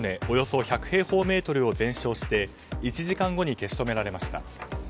およそ１００平方メートルを全焼して１時間後に消し止められました。